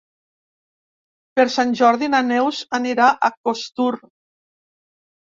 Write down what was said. Per Sant Jordi na Neus anirà a Costur.